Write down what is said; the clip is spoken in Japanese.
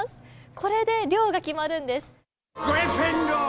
これで寮が決まるんです。